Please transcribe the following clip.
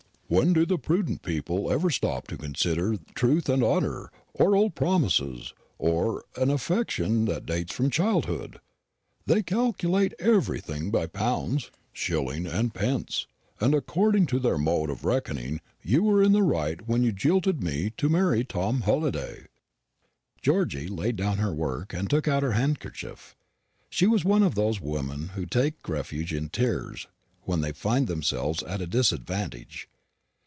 When do the prudent people ever stop to consider truth and honour, or old promises, or an affection that dates from childhood? They calculate everything by pounds, shillings, and pence; and according to their mode of reckoning you were in the right when you jilted me to marry Tom Halliday." Georgy laid down her work and took out her handkerchief. She was one of those women who take refuge in tears when they find themselves at a disadvantage.